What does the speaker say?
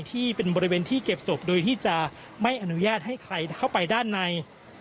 ที่เป็นบริเวณที่เก็บศพโดยที่จะไม่อนุญาตให้ใครเข้าไปด้านใน